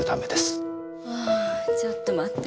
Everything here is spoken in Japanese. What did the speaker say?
あぁちょっと待って。